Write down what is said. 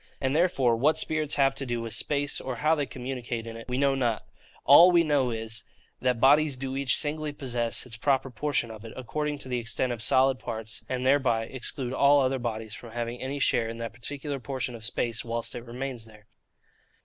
And therefore, what spirits have to do with space, or how they communicate in it, we know not. All that we know is, that bodies do each singly possess its proper portion of it, according to the extent of solid parts; and thereby exclude all other bodies from having any share in that particular portion of space, whilst it remains there.